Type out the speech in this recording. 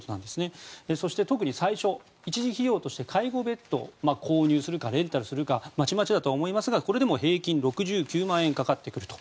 そして、特に最初一時費用として介護ベッドを購入するかレンタルするかまちまちだと思いますが平均して６９万円かかってくると。